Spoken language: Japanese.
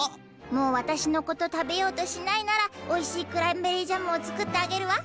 もう私のこと食べようとしないならおいしいクランベリージャムを作ってあげるわ。